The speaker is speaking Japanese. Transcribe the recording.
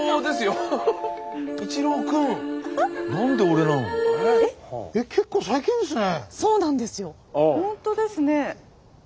本当ですね。